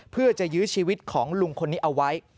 เพื่อจะยื้อชีวิตของลุงคนนี้เอาไว้